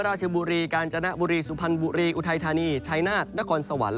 ราชบุรีกาญจนบุรีสุพรรณบุรีอุทัยธานีชัยนาฏนครสวรรค์